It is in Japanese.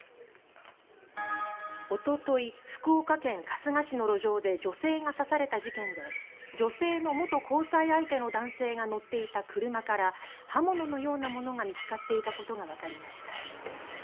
おととい、福岡県春日市の路上で女性が刺された事件で女性の元交際相手の男性が乗っていた車から刃物のようなものが見つかっていたことがわかりました。